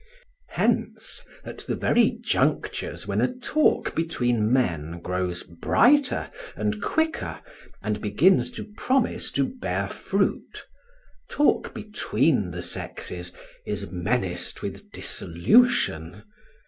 Hence, at the very junctures when a talk between men grows brighter and quicker and begins to promise to bear fruit, talk between the sexes is menaced with dissolution.